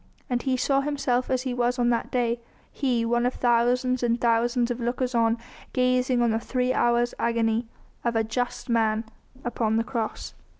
And he saw himself as he was on that day, he one of thousands and thousands of lookers on gazing on the three hours' agony of a just Man upon the Cross.